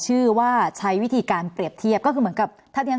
ชื่อว่าใช้วิธีการเปรียบเทียบก็คือเหมือนกับถ้าที่ฉัน